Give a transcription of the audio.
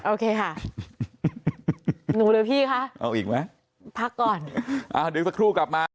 โอเคค่ะ